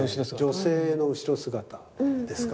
女性の後ろ姿ですか。